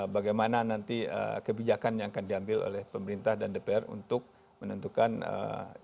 bagaimana nanti kebijakan yang akan diambil oleh pemerintah dan dpr untuk menentukan di mana posisi skk migas dia ke depan gitu